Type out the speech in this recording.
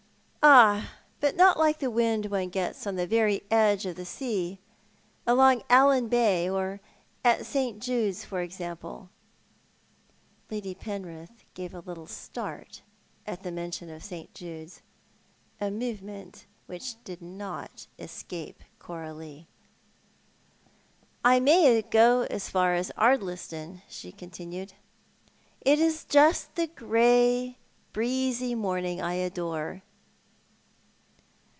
" Ah, but not like the wind one gets on tho very edge of the sea— along Allan Bay or at .St. Jude's, for instance." Lady Penrith gave a little start at the mention of St. Jude's, a movement which did not escape Coralie. "I may go as far as Ardliston," she continued. '"It is just the grey, breezy morning I adore."